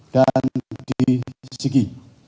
dan di siki